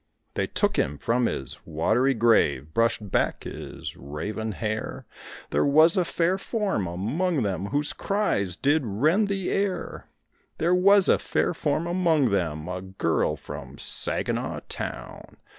They took him from his watery grave, brushed back his raven hair; There was a fair form among them whose cries did rend the air; There was a fair form among them, a girl from Saginaw town.